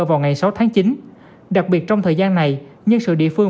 vào ngày sáu tháng chín đặc biệt trong thời gian này nhân sự địa phương